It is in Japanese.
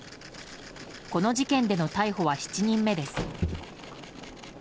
この事件での逮捕は７人目です。